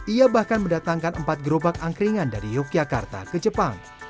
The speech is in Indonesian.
ia bahkan mendatangkan empat gerobak angkringan dari yogyakarta ke jepang